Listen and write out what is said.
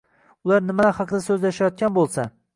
Ular nimalar haqida so’zlashayotgan bo’lsa?